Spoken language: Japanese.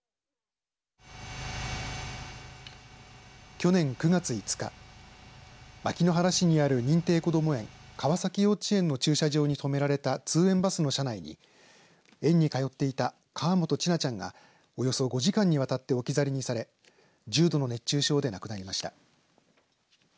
去年９月５日牧之原市にある認定こども園川崎幼稚園の駐車場に止められた通園バスの車内に園に通っていた河本千奈ちゃんがおよそ５時間にわたって置き去りにされ重度の熱中症で亡くなりました。